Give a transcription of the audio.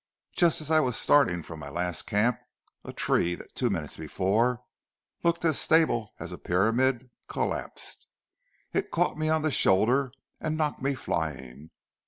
Just as I was starting from my last camp, a tree that two minutes before looked as stable as a pyramid, collapsed. It caught me on the shoulder and knocked me flying.